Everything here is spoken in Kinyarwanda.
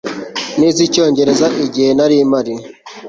Nize Icyongereza igihe nari mpari